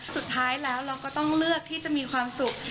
สุดท้ายแล้วเราก็ต้องเลือกที่จะมีความสุข